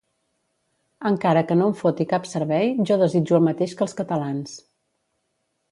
Encara que no em foti cap servei, jo desitjo el mateix que els catalans.